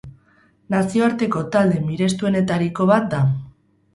Nazioarteko talde mirestuenetariko bat da.